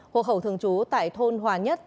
hộ khẩu thường trú tại thôn hòa nhất